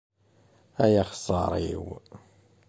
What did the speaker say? Ay axeṣṣaṛ-iw!